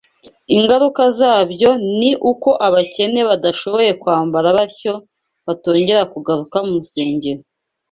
Ingaruka zabyo ni uko abakene badashoboye kwambara batyo batongera kugaruka mu rusengero